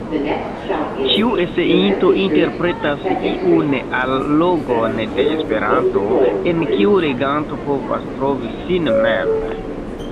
Ĉiu eseinto interpretas iun allogon de Esperanto, en kiu leganto povas trovi sin mem.